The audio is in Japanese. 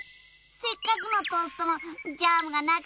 せっかくのトーストもジャムがなくちゃな。